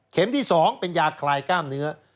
ที่๒เป็นยาคลายกล้ามเนื้อ